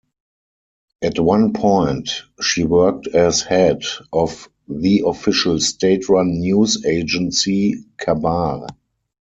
At one point she worked as head of the official state-run news agency, Khabar.